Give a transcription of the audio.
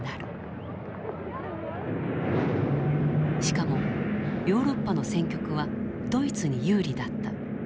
しかもヨーロッパの戦局はドイツに有利だった。